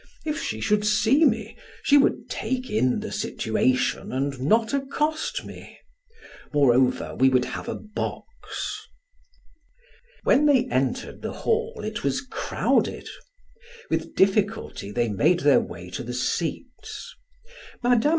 If she should see me, she would take in the situation and not accost me. Moreover, we would have a box." When they entered the hall, it was crowded; with difficulty they made their way to their seats. Mme.